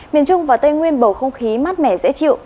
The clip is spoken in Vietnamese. miền trung và tây nguyên bầu không khí mát mẻ dễ chịu